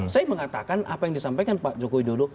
saya mengatakan apa yang disampaikan pak jokowi dodo